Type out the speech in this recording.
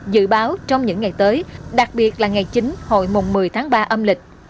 dự báo trong những ngày tới đặc biệt là ngày chín hội mùng một mươi tháng ba âm lịch